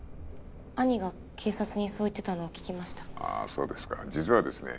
兄が警察にそう言ってたのを聞きましたそうですか実はですね